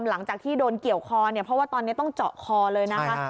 หลังจากที่โดนเกี่ยวคอเนี่ยเพราะว่าตอนนี้ต้องเจาะคอเลยนะคะ